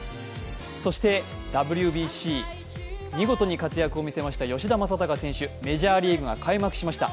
そしてＷＢＣ、見事に活躍を見せました吉田正尚選手、メジャーリーグが開幕しました。